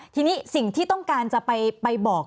ทีนี้สิ่งที่ต้องการจะไปบอก